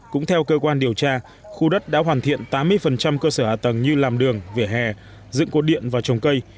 cũng theo cơ quan điều tra khu đất đã hoàn thiện tám mươi cơ sở hạ tầng như làm đường vỉa hè dựng cốt điện và trồng cây